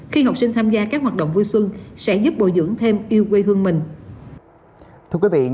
khi học sinh tham gia các hoạt động vui xuân sẽ giúp bồi dưỡng thêm yêu quê hương mình